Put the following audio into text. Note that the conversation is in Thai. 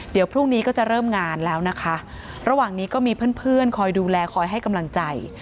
เดี๋ยวพรุ่งนี้ก็จะเริ่มงานแล้วนะคะระหว่างนี้ก็มีเพื่อนเพื่อนคอยดูแลคอยให้กำลังใจ